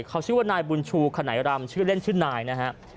เขาชื่อว่านายบุญชูขนายรำเล่นชื่อนายนะครับ